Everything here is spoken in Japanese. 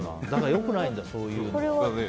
良くないんだ、そういうのは。